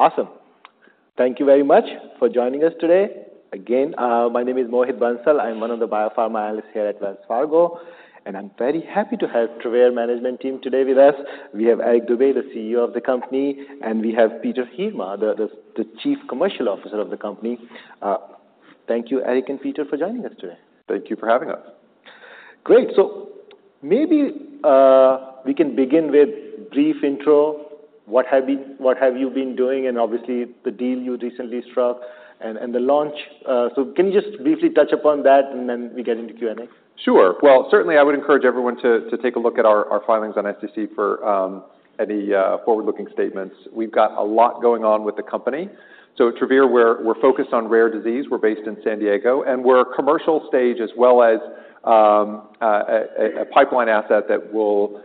Awesome! Thank you very much for joining us today. Again, my name is Mohit Bansal. I'm one of the biopharma analysts here at Wells Fargo, and I'm very happy to have Travere management team today with us. We have Eric Dube, the CEO of the company, and we have Peter Heerma, the Chief Commercial Officer of the company. Thank you, Eric and Peter, for joining us today. Thank you for having us. Great. So maybe, we can begin with brief intro, what have you, what have you been doing, and obviously the deal you recently struck and, and the launch. So can you just briefly touch upon that, and then we get into Q&A? Sure. Well, certainly I would encourage everyone to take a look at our filings on SEC for any forward-looking statements. We've got a lot going on with the company. So at Travere, we're focused on rare disease. We're based in San Diego, and we're a commercial stage as well as a pipeline asset that will.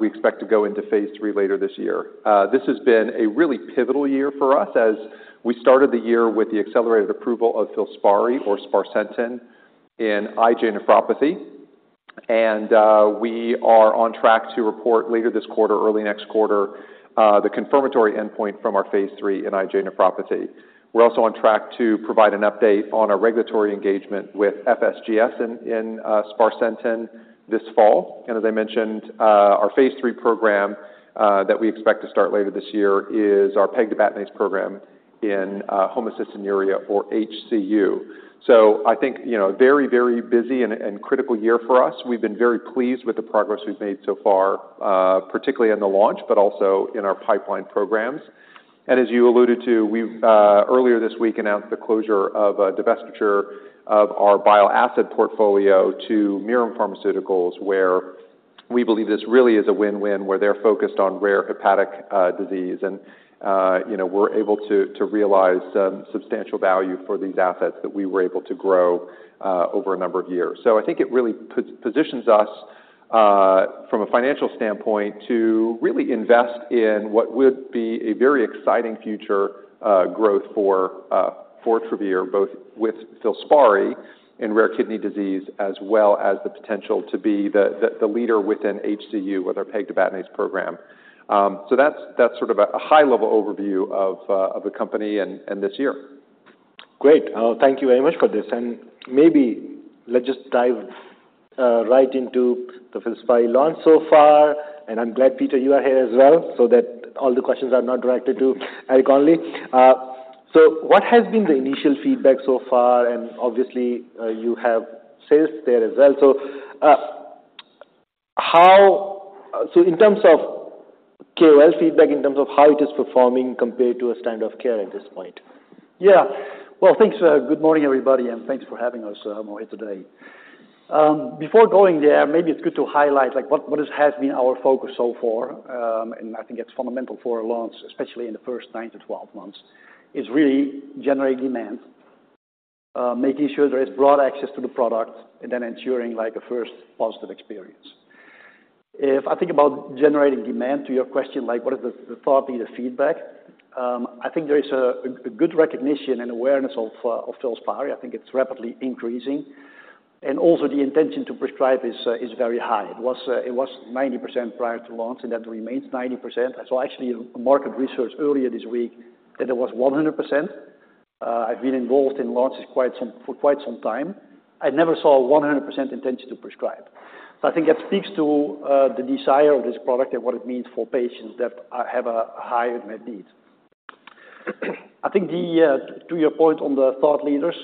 We expect to go into phase III later this year. This has been a really pivotal year for us, as we started the year with the accelerated approval of Filspari, or sparsentan in IgA nephropathy. And we are on track to report later this quarter, early next quarter, the confirmatory endpoint from our phase III in IgA nephropathy. We're also on track to provide an update on our regulatory engagement with FSGS in sparsentan this fall. As I mentioned, our phase III program that we expect to start later this year is our pegtibatinase program in homocystinuria or HCU. So I think, you know, very, very busy and critical year for us. We've been very pleased with the progress we've made so far, particularly in the launch, but also in our pipeline programs. And as you alluded to, we've earlier this week announced the closure of a divestiture of our bio asset portfolio to Mirum Pharmaceuticals, where we believe this really is a win-win, where they're focused on rare hepatic disease. And, you know, we're able to realize substantial value for these assets that we were able to grow over a number of years. So I think it really positions us from a financial standpoint to really invest in what would be a very exciting future growth for Travere, both with Filspari in rare kidney disease, as well as the potential to be the leader within HCU with our pegtibatinase program. So that's sort of a high-level overview of the company and this year. Great. Thank you very much for this. And maybe let's just dive right into the Filspari launch so far, and I'm glad, Peter, you are here as well, so that all the questions are not directed to Eric only. So what has been the initial feedback so far? And obviously, you have sales there as well. So in terms of KOL feedback, in terms of how it is performing compared to a standard of care at this point? Yeah. Well, thanks. Good morning, everybody, and thanks for having us, Mohit, today. Before going there, maybe it's good to highlight, like, what has been our focus so far. And I think it's fundamental for a launch, especially in the first 9-12 months, is really generate demand, making sure there is broad access to the product, and then ensuring, like, a first positive experience. If I think about generating demand, to your question, like, what is the thought leader feedback? I think there is a good recognition and awareness of Filspari. I think it's rapidly increasing, and also the intention to prescribe is very high. It was 90% prior to launch, and that remains 90%. I saw actually a market research earlier this week that it was 100%. I've been involved in launches for quite some time. I never saw a 100% intention to prescribe. So I think that speaks to the desire of this product and what it means for patients that have a high unmet need. I think the, to your point on the thought leaders,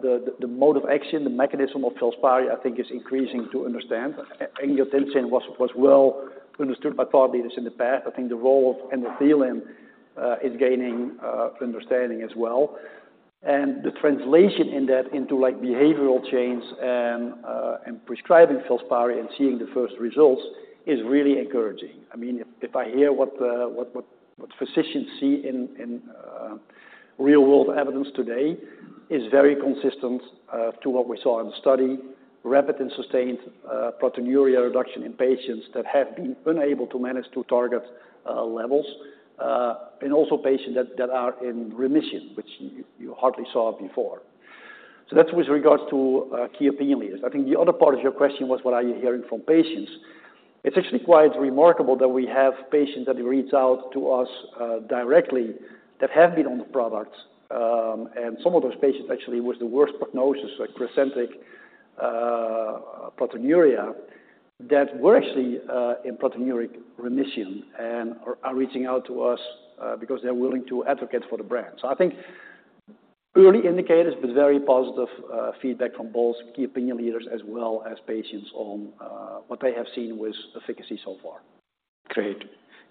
the mode of action, the mechanism of Filspari, I think is increasing to understand. Angiotensin was well understood by thought leaders in the past. I think the role of endothelin is gaining understanding as well. And the translation in that into, like, behavioral change and prescribing Filspari and seeing the first results is really encouraging. I mean, if I hear what physicians see in real-world evidence today, is very consistent to what we saw in the study. Rapid and sustained proteinuria reduction in patients that have been unable to manage to target levels, and also patients that are in remission, which you hardly saw before. So that's with regards to key opinion leaders. I think the other part of your question was: What are you hearing from patients? It's actually quite remarkable that we have patients that reach out to us directly, that have been on the product. And some of those patients actually, with the worst prognosis, like crescentic proteinuria, that were actually in proteinuria remission and are reaching out to us, because they're willing to advocate for the brand. So I think early indicators but very positive feedback from both key opinion leaders as well as patients on what they have seen with efficacy so far. Great.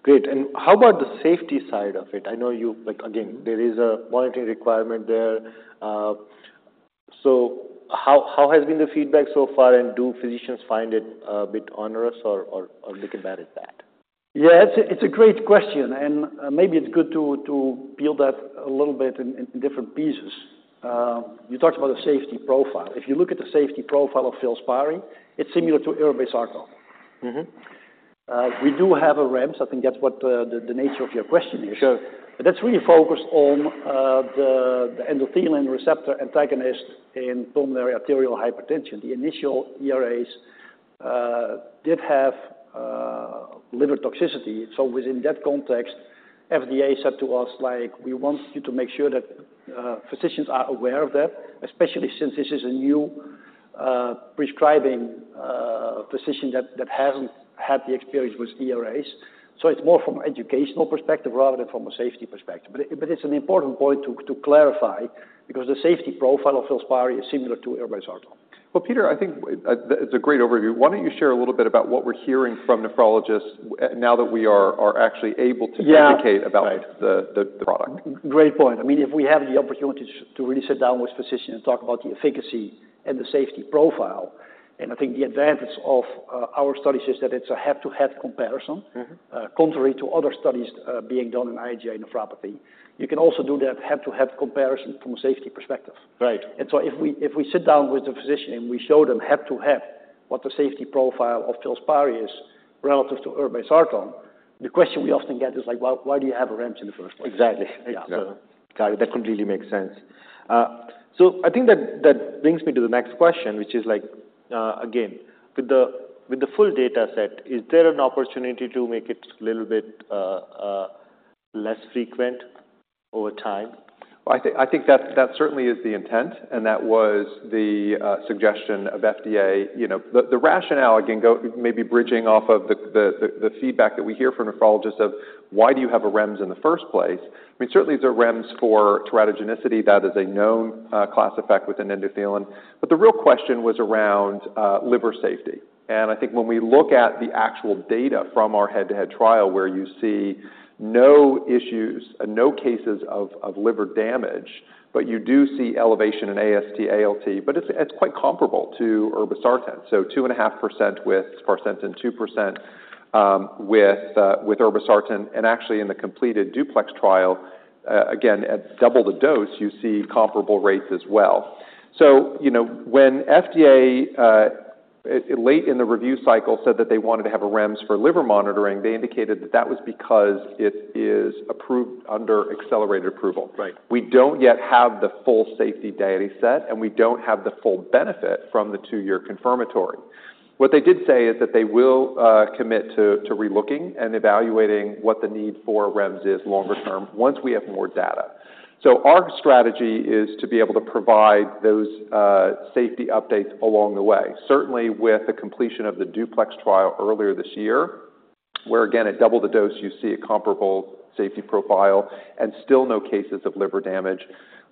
Great, and how about the safety side of it? I know you—like, again, there is a monitoring requirement there. So how has been the feedback so far, and do physicians find it a bit onerous or are they comfortable with that? Yeah, it's a great question, and maybe it's good to peel that a little bit in different pieces. You talked about the safety profile. If you look at the safety profile of Filspari, it's similar to irbesartan. Mm-hmm. We do have a REMS. I think that's what the nature of your question is. Sure. But that's really focused on, the endothelin receptor antagonist in pulmonary arterial hypertension, the initial ERAs, did have, liver toxicity. So within that context, FDA said to us, like, We want you to make sure that, physicians are aware of that, especially since this is a new, prescribing physician that hasn't had the experience with ERAs. So it's more from an educational perspective rather than from a safety perspective. But it's an important point to clarify, because the safety profile of Filspari is similar to irbesartan. Well, Peter, I think that's a great overview. Why don't you share a little bit about what we're hearing from nephrologists now that we are actually able to- Yeah communicate about the product? Great point. I mean, if we have the opportunity to really sit down with physicians and talk about the efficacy and the safety profile, and I think the advantage of our study is that it's a head-to-head comparison- Mm-hmm... contrary to other studies, being done in IgA nephropathy. You can also do that head-to-head comparison from a safety perspective. Right. And so if we sit down with the physician, and we show them head-to-head what the safety profile of Filspari is relative to Irbesartan, the question we often get is like: Well, why do you have a REMS in the first place? Exactly. Yeah. Got it. That completely makes sense. So I think that brings me to the next question, which is like, again, with the full data set, is there an opportunity to make it a little bit less frequent over time? Well, I think that certainly is the intent, and that was the suggestion of FDA. You know, the rationale, again, maybe bridging off of the feedback that we hear from nephrologists of, "Why do you have a REMS in the first place?" I mean, certainly the REMS for teratogenicity, that is a known class effect within endothelin. But the real question was around liver safety, and I think when we look at the actual data from our head-to-head trial, where you see no issues and no cases of liver damage, but you do see elevation in AST, ALT, but it's quite comparable to Irbesartan. So 2.5% with sparsentan, 2% with Irbesartan, and actually in the completed DUPLEX trial, again, at double the dose, you see comparable rates as well. You know, when FDA late in the review cycle said that they wanted to have a REMS for liver monitoring, they indicated that that was because it is approved under accelerated approval. Right. We don't yet have the full safety data set, and we don't have the full benefit from the two-year confirmatory. What they did say is that they will commit to relooking and evaluating what the need for REMS is longer term, once we have more data. So our strategy is to be able to provide those safety updates along the way. Certainly, with the completion of the DUPLEX trial earlier this year, where, again, at double the dose, you see a comparable safety profile and still no cases of liver damage.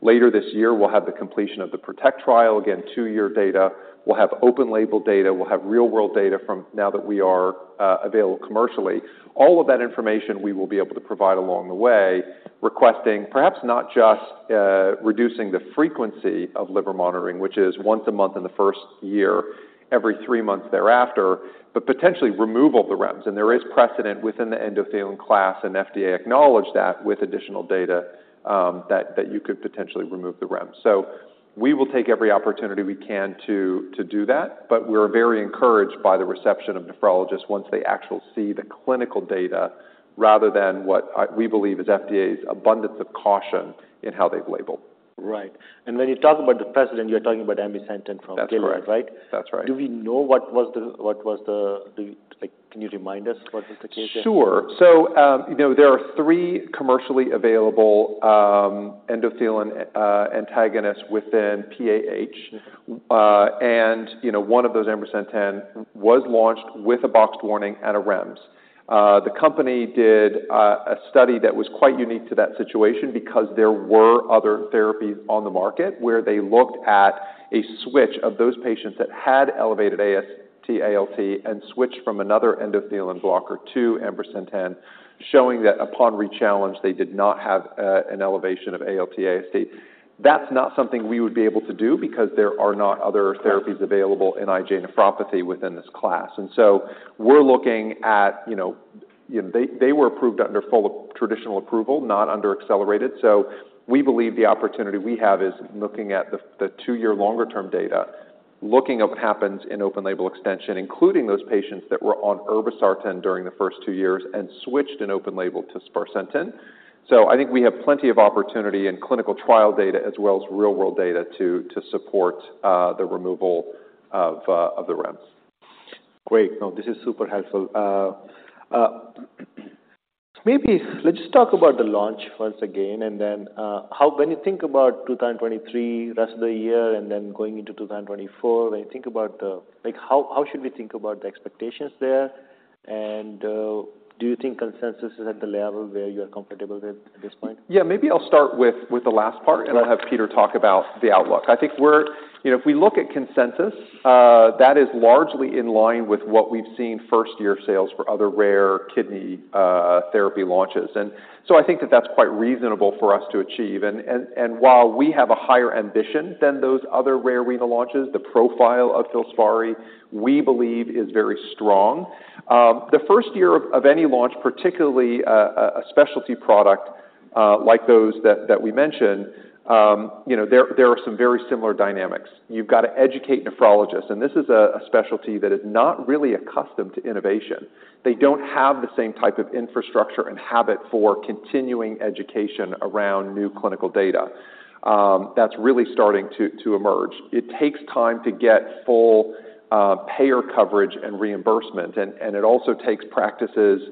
Later this year, we'll have the completion of the PROTECT trial. Again, two-year data. We'll have open label data. We'll have real-world data from now that we are available commercially. All of that information we will be able to provide along the way, requesting perhaps not just reducing the frequency of liver monitoring, which is once a month in the first year, every three months thereafter, but potentially removal of the REMS. There is precedent within the endothelin class, and FDA acknowledged that with additional data, that, that you could potentially remove the REMS. We will take every opportunity we can to do that, but we're very encouraged by the reception of nephrologists once they actually see the clinical data, rather than what we believe is FDA's abundance of caution in how they've labeled. Right. And when you talk about the precedent, you're talking about ambrisentan from Gilead, right? That's right. Do we know what was the, like, can you remind us what was the case again? Sure. So, you know, there are three commercially available, endothelin, antagonists within PAH. And, you know, one of those, ambrisentan, was launched with a boxed warning and a REMS. The company did, a study that was quite unique to that situation because there were other therapies on the market where they looked at a switch of those patients that had elevated AST, ALT and switched from another endothelin blocker to ambrisentan, showing that upon rechallenge, they did not have, an elevation of ALT, AST. That's not something we would be able to do because there are not other therapies- Right... available in IgA nephropathy within this class. And so we're looking at, you know... They were approved under full traditional approval, not under accelerated. So we believe the opportunity we have is looking at the two-year longer-term data, looking at what happens in open label extension, including those patients that were on irbesartan during the first two years and switched in open label to sparsentan. So I think we have plenty of opportunity in clinical trial data as well as real-world data to support the removal of the REMS. Great. No, this is super helpful. Maybe let's just talk about the launch once again, and then, how, when you think about 2023, rest of the year, and then going into 2024, when you think about, like, how, how should we think about the expectations there? And, do you think consensus is at the level where you are comfortable with at this point? Yeah, maybe I'll start with the last part- Sure... and I'll have Peter talk about the outlook. I think we're. You know, if we look at consensus, that is largely in line with what we've seen first-year sales for other rare kidney therapy launches. And so I think that that's quite reasonable for us to achieve. And while we have a higher ambition than those other rare renal launches, the profile of Filspari, we believe, is very strong. The first year of any launch, particularly, a specialty product like those that we mentioned, you know, there are some very similar dynamics. You've got to educate nephrologists, and this is a specialty that is not really accustomed to innovation. They don't have the same type of infrastructure and habit for continuing education around new clinical data.... that's really starting to emerge. It takes time to get full payer coverage and reimbursement, and it also takes practices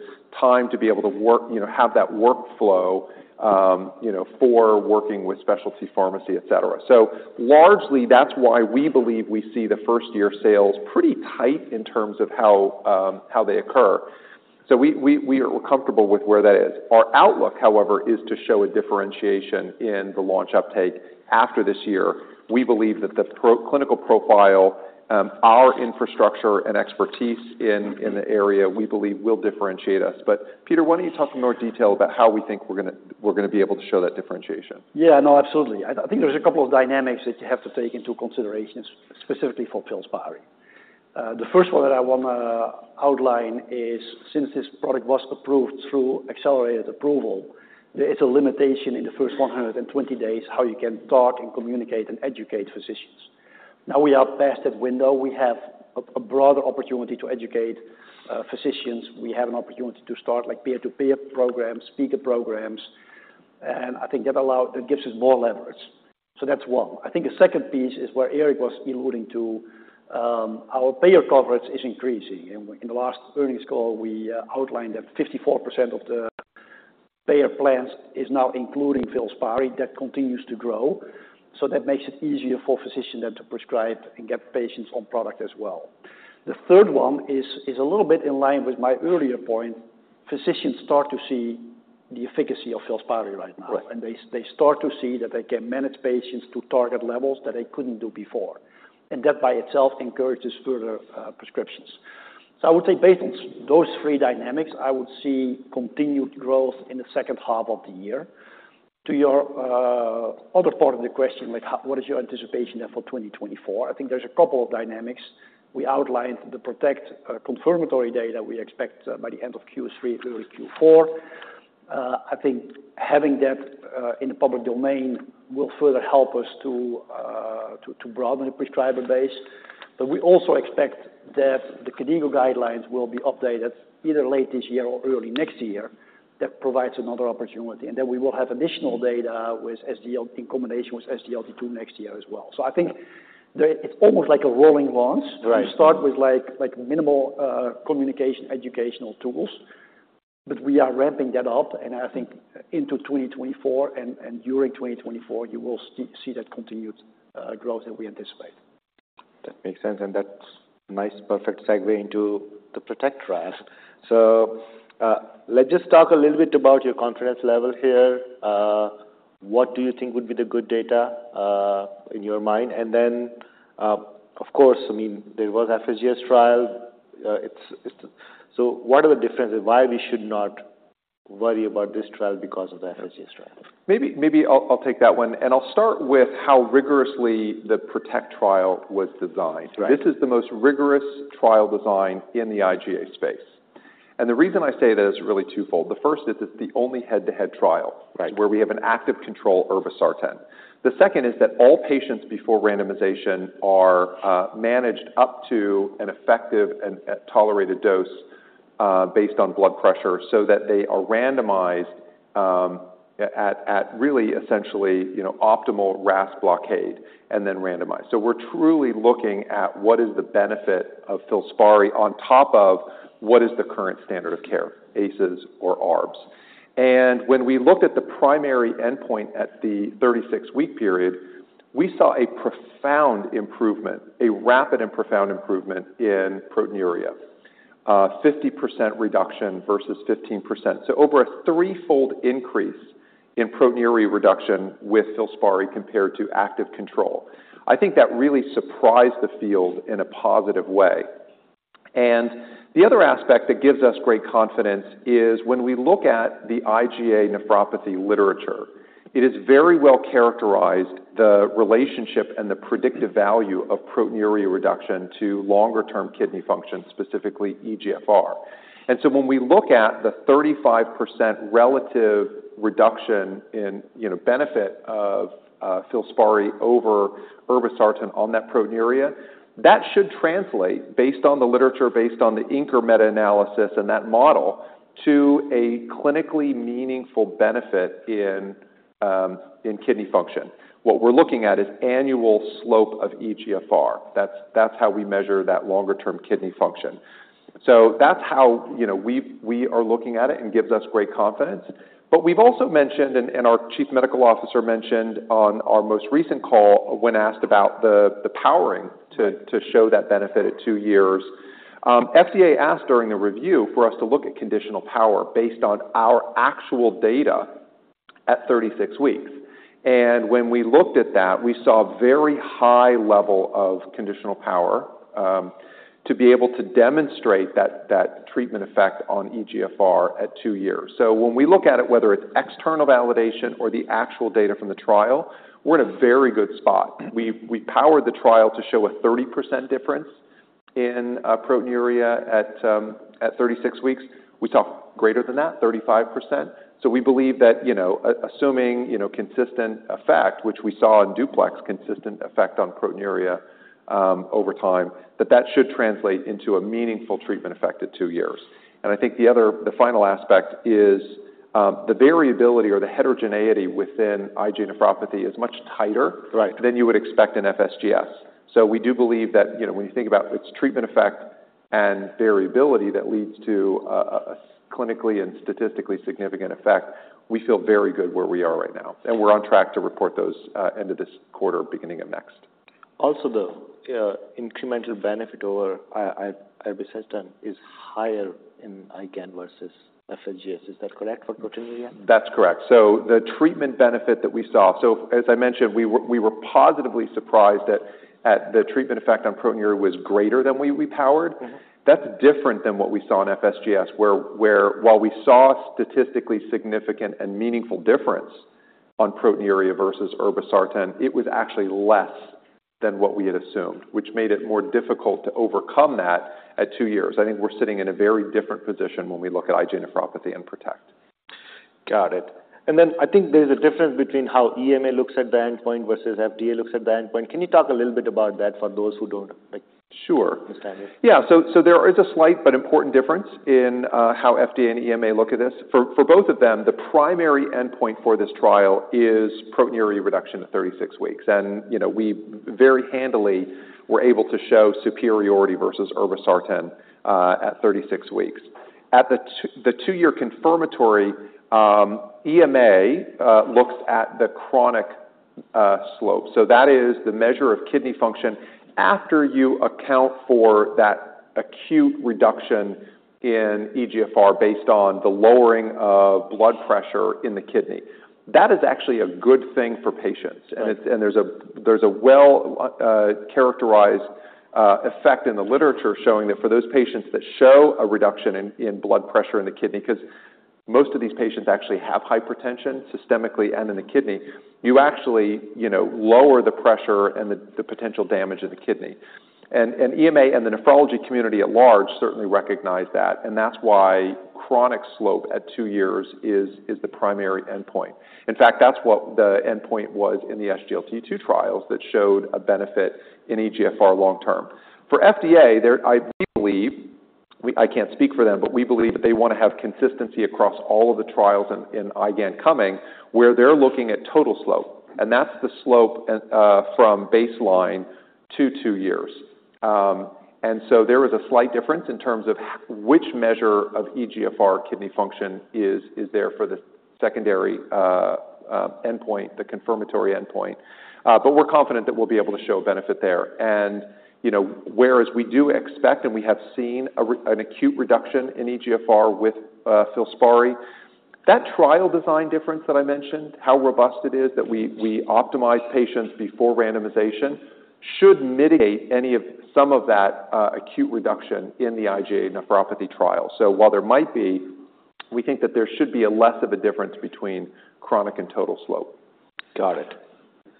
time to be able to work, you know, have that workflow, you know, for working with specialty pharmacy, et cetera. So largely, that's why we believe we see the first-year sales pretty tight in terms of how they occur. So we are comfortable with where that is. Our outlook, however, is to show a differentiation in the launch uptake after this year. We believe that the pro-clinical profile, our infrastructure and expertise in the area, we believe, will differentiate us. But Peter, why don't you talk in more detail about how we think we're gonna be able to show that differentiation? Yeah, no, absolutely. I think there's a couple of dynamics that you have to take into consideration, specifically for Filspari. The first one that I wanna outline is, since this product was approved through accelerated approval, there is a limitation in the first 100 days, how you can talk and communicate and educate physicians. Now we are past that window. We have a broader opportunity to educate physicians. We have an opportunity to start, like, peer-to-peer programs, speaker programs, and I think that gives us more leverage. So that's one. I think the second piece is where Eric was alluding to, our payer coverage is increasing, and in the last earnings call, we outlined that 54% of the payer plans is now including Filspari. That continues to grow, so that makes it easier for physicians then to prescribe and get patients on product as well. The third one is, a little bit in line with my earlier point. Physicians start to see the efficacy of Filspari right now and they, they start to see that they can manage patients to target levels that they couldn't do before, and that by itself encourages further prescriptions. So I would say based on those three dynamics, I would see continued growth in the H2 of the year. To your other part of the question, like, how, what is your anticipation then for 2024? I think there's a couple of dynamics. We outlined the PROTECT confirmatory data we expect by the end of Q3, early Q4. I think having that in the public domain will further help us to broaden the prescriber base. But we also expect that the KDIGO guidelines will be updated either late this year or early next year. That provides another opportunity, and then we will have additional data with SGLT in combination with SGLT2 next year as well. So I think it's almost like a rolling launch. Right. You start with, like, minimal communication, educational tools, but we are ramping that up, and I think into 2024 and during 2024, you will see that continued growth that we anticipate. That makes sense, and that's a nice, perfect segue into the PROTECT trial. So, let's just talk a little bit about your confidence level here. What do you think would be the good data in your mind? And then, of course, I mean, there was FSGS trial. It's... So what are the differences, why we should not worry about this trial because of the FSGS trial? Maybe I'll take that one, and I'll start with how rigorously the PROTECT trial was designed. Right. This is the most rigorous trial design in the IgA space. The reason I say that is really twofold. The first is it's the only head-to-head trial- Right... where we have an active control, Irbesartan. The second is that all patients before randomization are managed up to an effective and tolerated dose, based on blood pressure, so that they are randomized at really essentially, you know, optimal RAS blockade, and then randomized. So we're truly looking at what is the benefit of Filspari on top of what is the current standard of care, ACEs or ARBs. And when we looked at the primary endpoint at the 36-week period, we saw a profound improvement, a rapid and profound improvement in proteinuria, 50% reduction versus 15%, so over a threefold increase in proteinuria reduction with Filspari compared to active control. I think that really surprised the field in a positive way. The other aspect that gives us great confidence is when we look at the IgA nephropathy literature; it has very well characterized the relationship and the predictive value of proteinuria reduction to longer-term kidney function, specifically eGFR. So when we look at the 35% relative reduction in, you know, benefit of Filspari over Irbesartan on that proteinuria, that should translate, based on the literature, based on the Inker meta-analysis and that model, to a clinically meaningful benefit in kidney function. What we're looking at is annual slope of eGFR. That's how we measure that longer-term kidney function. So that's how, you know, we are looking at it and gives us great confidence. But we've also mentioned, and our Chief Medical Officer mentioned on our most recent call when asked about the powering to show that benefit at two years. FDA asked during the review for us to look at conditional power based on our actual data at 36 weeks. And when we looked at that, we saw a very high level of conditional power to be able to demonstrate that treatment effect on eGFR at two years. So when we look at it, whether it's external validation or the actual data from the trial, we're in a very good spot. We powered the trial to show a 30% difference in proteinuria at 36 weeks. We saw greater than that, 35%. So we believe that, you know, assuming, you know, consistent effect, which we saw in DUPLEX, consistent effect on proteinuria, over time, that that should translate into a meaningful treatment effect at two years. And I think the other, the final aspect is the variability or the heterogeneity within IgA nephropathy is much tighter- Right. than you would expect in FSGS. So we do believe that, you know, when you think about its treatment effect and variability that leads to a clinically and statistically significant effect, we feel very good where we are right now, and we're on track to report those end of this quarter, beginning of next. Also, the incremental benefit over irbesartan is higher in IgAN versus FSGS. Is that correct for proteinuria? That's correct. So as I mentioned, we were positively surprised that the treatment effect on proteinuria was greater than we powered. Mm-hmm. That's different than what we saw in FSGS, where while we saw statistically significant and meaningful difference on proteinuria versus irbesartan, it was actually less than what we had assumed, which made it more difficult to overcome that at two years. I think we're sitting in a very different position when we look at IgA nephropathy and PROTECT. Got it. And then I think there's a difference between how EMA looks at the endpoint versus FDA looks at the endpoint. Can you talk a little bit about that for those who don't, like- Sure. Understand it? Yeah, so there is a slight but important difference in how FDA and EMA look at this. For both of them, the primary endpoint for this trial is proteinuria reduction to 36 weeks. And, you know, we very handily were able to show superiority versus irbesartan at 36 weeks. At the 2-year confirmatory, EMA looks at the chronic slope. So that is the measure of kidney function after you account for that acute reduction in eGFR based on the lowering of blood pressure in the kidney. That is actually a good thing for patients. Right. There's a well characterized effect in the literature showing that for those patients that show a reduction in blood pressure in the kidney, 'cause most of these patients actually have hypertension systemically and in the kidney, you actually, you know, lower the pressure and the potential damage in the kidney. And EMA and the nephrology community at large certainly recognize that, and that's why chronic slope at 2 years is the primary endpoint. In fact, that's what the endpoint was in the SGLT2 trials that showed a benefit in eGFR long term. For FDA, we believe, I can't speak for them, but we believe that they want to have consistency across all of the trials in IgAN coming, where they're looking at total slope, and that's the slope from baseline to 2 years. And so there is a slight difference in terms of which measure of eGFR kidney function is there for the secondary endpoint, the confirmatory endpoint. But we're confident that we'll be able to show a benefit there. And, you know, whereas we do expect, and we have seen an acute reduction in eGFR with Filspari, that trial design difference that I mentioned, how robust it is that we optimize patients before randomization, should mitigate any of some of that acute reduction in the IgA nephropathy trial. So while there might be, we think that there should be a less of a difference between chronic and total slope. Got it.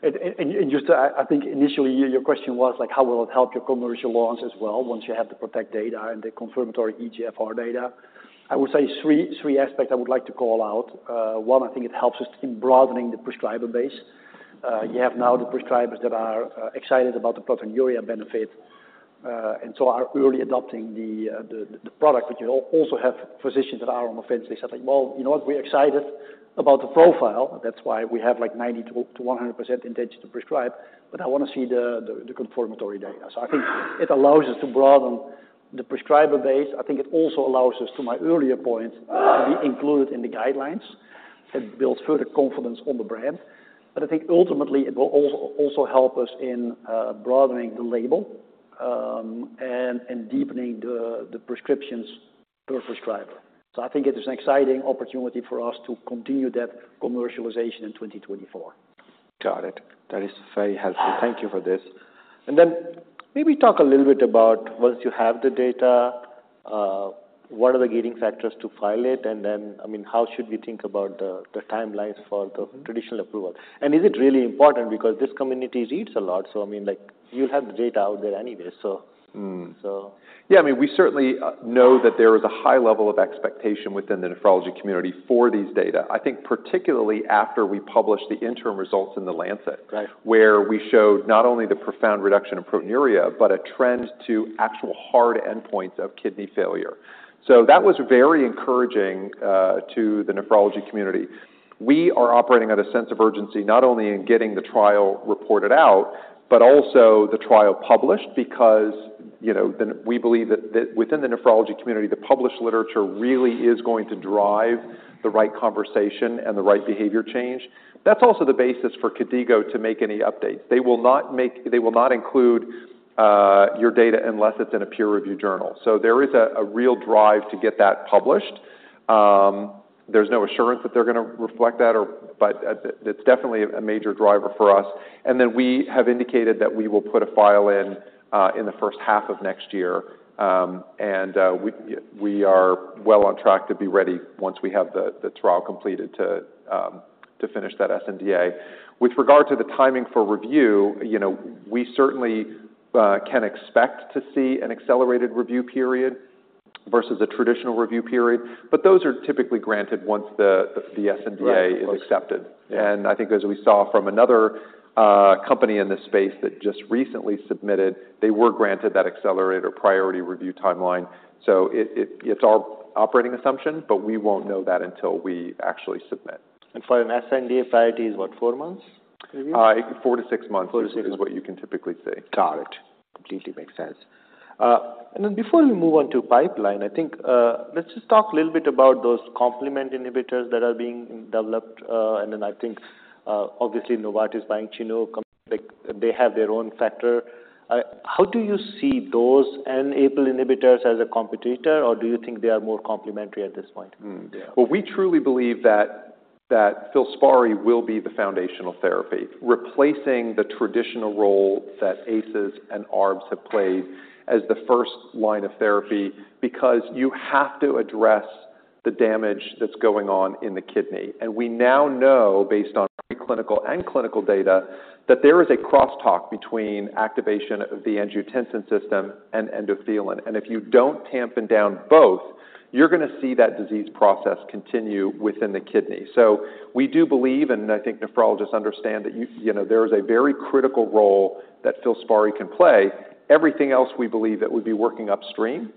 I think initially your question was, like, how will it help your commercial launch as well, once you have the PROTECT data and the confirmatory eGFR data? I would say three aspects I would like to call out. One, I think it helps us in broadening the prescriber base. You have now the prescribers that are excited about the proteinuria benefit, and so are early adopting the product. But you also have physicians that are on the fence. They say, like, "Well, you know what? We're excited about the profile. That's why we have, like, 90%-100% intention to prescribe, but I want to see the confirmatory data." So I think it allows us to broaden the prescriber base. I think it also allows us, to my earlier point, to be included in the guidelines and build further confidence on the brand. But I think ultimately it will also help us in, broadening the label, and deepening the prescriptions per prescriber. So I think it is an exciting opportunity for us to continue that commercialization in 2024. Got it. That is very helpful. Thank you for this. And then maybe talk a little bit about once you have the data, what are the gating factors to file it? And then, I mean, how should we think about the timelines for the traditional approval? And is it really important? Because this community reads a lot, so I mean, like, you'll have the data out there anyway, so- Mm. So. Yeah, I mean, we certainly know that there is a high level of expectation within the nephrology community for these data. I think particularly after we published the interim results in The Lancet. Right... where we showed not only the profound reduction in proteinuria, but a trend to actual hard endpoints of kidney failure. So that was very encouraging to the nephrology community. We are operating at a sense of urgency, not only in getting the trial reported out, but also the trial published, because, you know, the- we believe that, that within the nephrology community, the published literature really is going to drive the right conversation and the right behavior change. That's also the basis for KDIGO to make any updates. They will not make-- They will not include your data unless it's in a peer-reviewed journal. So there is a real drive to get that published. There's no assurance that they're going to reflect that or... but it's definitely a major driver for us. And then we have indicated that we will put a file in in the H1 of next year. We are well on track to be ready once we have the trial completed to finish that SNDA. With regard to the timing for review, you know, we certainly can expect to see an accelerated review period versus a traditional review period, but those are typically granted once the SNDA- Right -is accepted. And I think as we saw from another company in this space that just recently submitted, they were granted that accelerated or priority review timeline. So it's all operating assumption, but we won't know that until we actually submit. For an SNDA, priority is what? 4 months?... 4-6 months- 4-6 is what you can typically say. Got it. Completely makes sense. And then before we move on to pipeline, I think, let's just talk a little bit about those complement inhibitors that are being developed. And then I think, obviously, Novartis buying Chinook, like, they have their own factor. How do you see those and APRIL inhibitors as a competitor, or do you think they are more complementary at this point? Hmm, yeah. Well, we truly believe that, that Filspari will be the foundational therapy, replacing the traditional role that ACEs and ARBs have played as the first line of therapy, because you have to address the damage that's going on in the kidney. And we now know, based on pre-clinical and clinical data, that there is a crosstalk between activation of the angiotensin system and endothelin. And if you don't tamp down both, you're going to see that disease process continue within the kidney. So we do believe, and I think nephrologists understand that you, you know, there is a very critical role that Filspari can play. Everything else we believe that would be working upstream is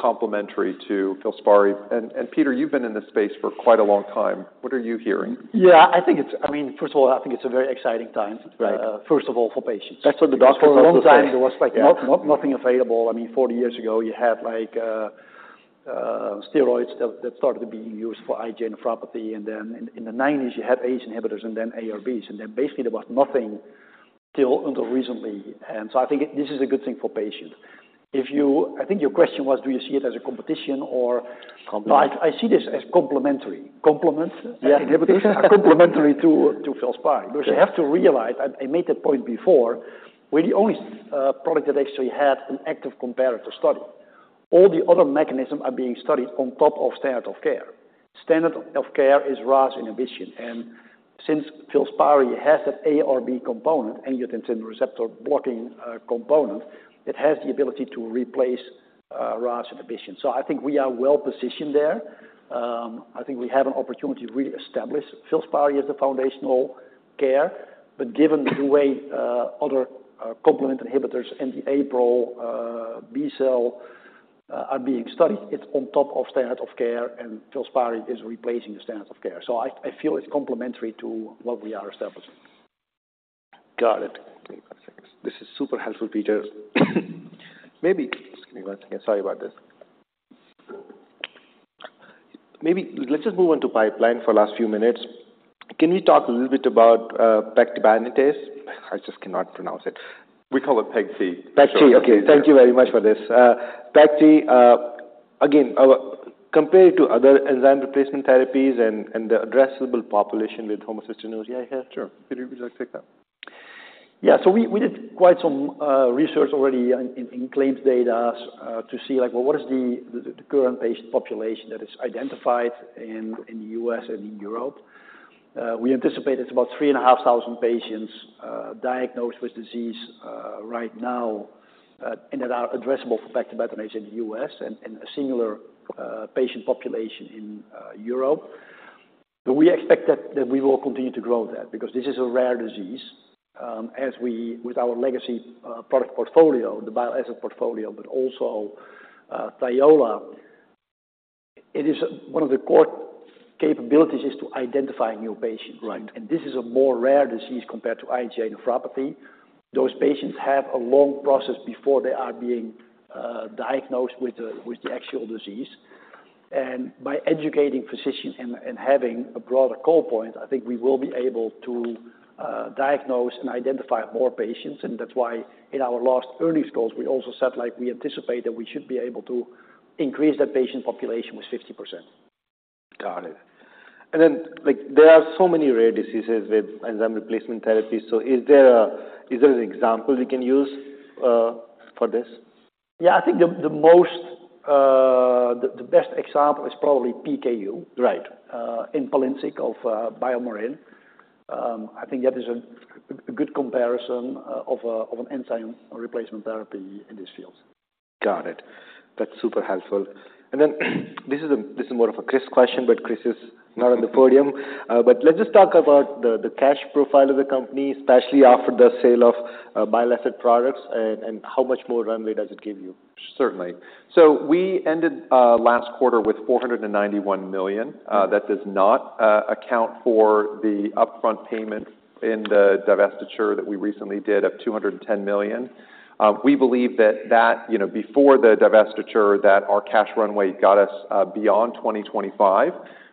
complementary to Filspari. And, and Peter, you've been in this space for quite a long time. What are you hearing? Yeah, I think it's... I mean, first of all, I think it's a very exciting time- Right First of all, for patients. That's what the doctors are saying. For a long time, there was, like, nothing available. I mean, 40 years ago, you had, like, steroids that started being used for IgA nephropathy, and then in the nineties, you had ACE inhibitors and then ARBs, and then basically there was nothing until recently. And so I think this is a good thing for patients. If you—I think your question was, do you see it as a competition or- Complement. I see this as complementary. Complements? Yeah. Inhibitors are complementary to Filspari. Yeah. Because you have to realize, I, I made the point before, we're the only product that actually had an active comparative study. All the other mechanisms are being studied on top of standard of care. Standard of care is RAS inhibition, and since Filspari has an ARB component, angiotensin receptor blocking component, it has the ability to replace RAS inhibition. So I think we are well-positioned there. I think we have an opportunity to reestablish Filspari as the foundational care. But given the way other complement inhibitors in the APRIL B-cell are being studied, it's on top of standard of care, and Filspari is replacing the standard of care. So I feel it's complementary to what we are establishing. Got it. This is super helpful, Peter. Maybe... Excuse me once again. Sorry about this. Maybe let's just move on to pipeline for last few minutes. Can we talk a little bit about, pegtibatinase? I just cannot pronounce it. We call it pegty. Pegty, okay. Yeah. Thank you very much for this. Pegty, again, compared to other enzyme replacement therapies and, and the addressable population with homocystinuria here. Sure. Peter, would you like to take that? Yeah, so we, we did quite some research already in, in claims data to see, like, well, what is the, the current patient population that is identified in, in the US and in Europe. We anticipate it's about 3,500 patients diagnosed with disease right now, and that are addressable for pegtibatinase in the US and, and a similar patient population in Europe. But we expect that, that we will continue to grow that, because this is a rare disease. With our legacy product portfolio, the bioasset portfolio, but also Thiola, it is one of the core capabilities is to identify new patients. Right. This is a more rare disease compared to IgA nephropathy. Those patients have a long process before they are being diagnosed with the actual disease. And by educating physicians and having a broader call point, I think we will be able to diagnose and identify more patients. And that's why in our last earnings goals, we also said, like, we anticipate that we should be able to increase that patient population with 50%. Got it. And then, like, there are so many rare diseases with enzyme replacement therapy. So is there an example you can use for this? Yeah, I think the best example is probably PKU. Right. In Palynziq of BioMarin. I think that is a good comparison of an enzyme replacement therapy in this field. Got it. That's super helpful. And then this is a... This is more of a Chris question, but Chris is not on the podium. But let's just talk about the cash profile of the company, especially after the sale of bioasset products, and how much more runway does it give you? Certainly. So we ended last quarter with $491 million. Mm-hmm. That does not account for the upfront payment in the divestiture that we recently did of $210 million. We believe that, that, you know, before the divestiture, that our cash runway got us beyond 2025.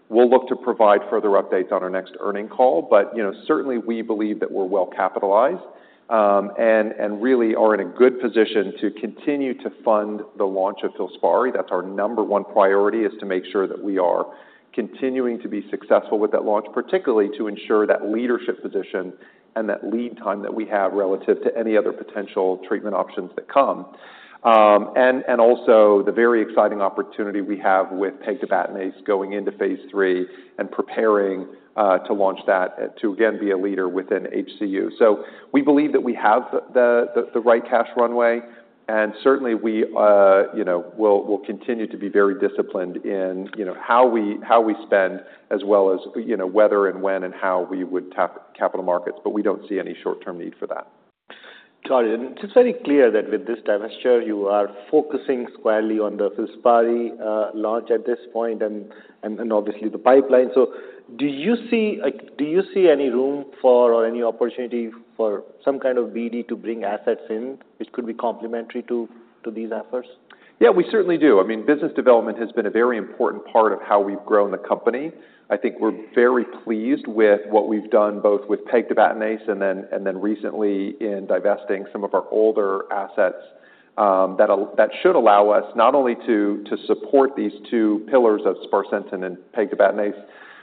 We'll look to provide further updates on our next earnings call, but, you know, certainly we believe that we're well capitalized, and, and really are in a good position to continue to fund the launch of Filspari. That's our number one priority, is to make sure that we are continuing to be successful with that launch, particularly to ensure that leadership position and that lead time that we have relative to any other potential treatment options that come. Also, the very exciting opportunity we have with pegtibatinase going into phase III and preparing to launch that to again be a leader within HCU. So we believe that we have the right cash runway, and certainly we, you know, will continue to be very disciplined in, you know, how we spend, as well as, you know, whether and when and how we would tap capital markets, but we don't see any short-term need for that. ... Got it. It's very clear that with this divestiture, you are focusing squarely on the Filspari launch at this point, and obviously the pipeline. So do you see, like, do you see any room for or any opportunity for some kind of BD to bring assets in, which could be complementary to these efforts? Yeah, we certainly do. I mean, business development has been a very important part of how we've grown the company. I think we're very pleased with what we've done, both with pegtibatinase and then recently in divesting some of our older assets, that should allow us not only to support these two pillars of sparsentan and pegtibatinase,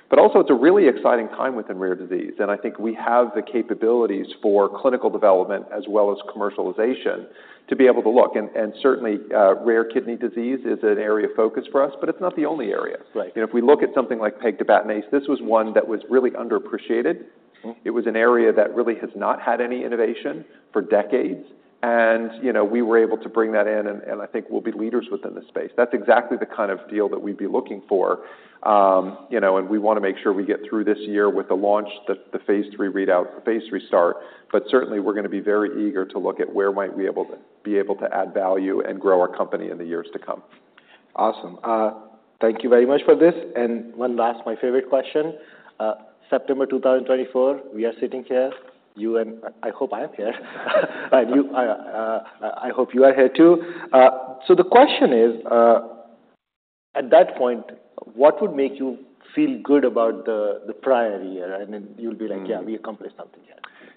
but also it's a really exciting time within rare disease. And I think we have the capabilities for clinical development as well as commercialization, to be able to look. And certainly, rare kidney disease is an area of focus for us, but it's not the only area. Right. If we look at something like pegtibatinase, this was one that was really underappreciated. Mm-hmm. It was an area that really has not had any innovation for decades, and, you know, we were able to bring that in, and I think we'll be leaders within the space. That's exactly the kind of deal that we'd be looking for. You know, and we want to make sure we get through this year with the launch, the phase III readout, the phase restart. But certainly, we're going to be very eager to look at where might we be able to add value and grow our company in the years to come. Awesome. Thank you very much for this. And one last, my favorite question. September 2024, we are sitting here, you and... I hope I am here. You, I hope you are here, too. So the question is, at that point, what would make you feel good about the, the prior year? And then you'll be like- Mm. Yeah, we accomplished something here.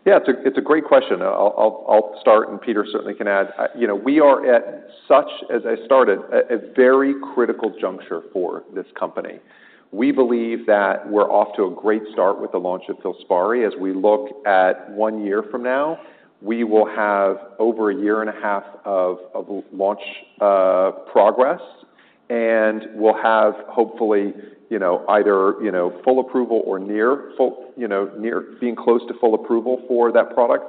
Yeah, it's a great question. I'll start, and Peter certainly can add. You know, we are at such, as I started, a very critical juncture for this company. We believe that we're off to a great start with the launch of Filspari. As we look at one year from now, we will have over a year and a half of launch progress, and we'll have hopefully, you know, either full approval or near full. You know, near being close to full approval for that product,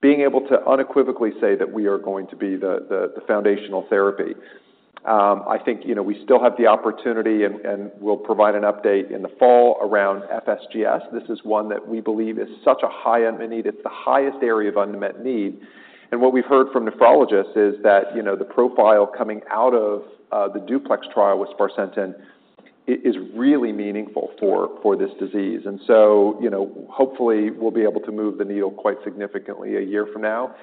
being able to unequivocally say that we are going to be the foundational therapy. I think, you know, we still have the opportunity, and we'll provide an update in the fall around FSGS. This is one that we believe is such a high unmet need. It's the highest area of unmet need, and what we've heard from nephrologists is that, you know, the profile coming out of the DUPLEX trial with sparsentan is really meaningful for this disease. And so, you know, hopefully, we'll be able to move the needle quite significantly a year from now,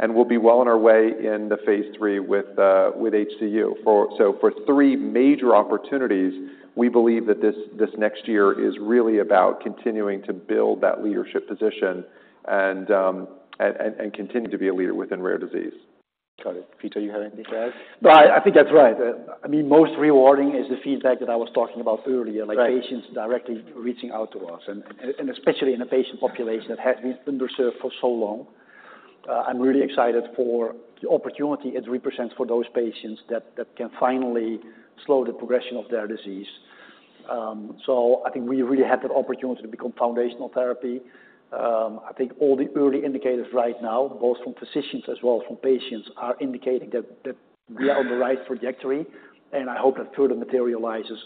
and we'll be well on our way in the phase III with HCU. So for three major opportunities, we believe that this next year is really about continuing to build that leadership position and continue to be a leader within rare disease. Got it. Peter, you have anything to add? No, I think that's right. I mean, most rewarding is the feedback that I was talking about earlier- Right... like, patients directly reaching out to us, and especially in a patient population that has been underserved for so long. I'm really excited for the opportunity it represents for those patients that can finally slow the progression of their disease. So I think we really have that opportunity to become foundational therapy. I think all the early indicators right now, both from physicians as well as from patients, are indicating that we are on the right trajectory, and I hope that further materializes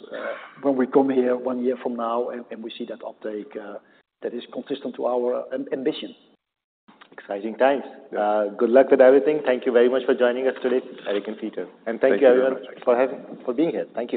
when we come here one year from now and we see that uptake that is consistent to our ambition. Exciting times. Yeah. Good luck with everything. Thank you very much for joining us today, Eric and Peter. Thank you very much. Thank you, everyone, for being here. Thank you.